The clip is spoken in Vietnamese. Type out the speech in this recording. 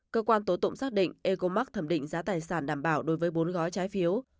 cơ quan tố tụng xác định ecomark thẩm định giá tài sản đảm bảo đối với bốn gói trái phiếu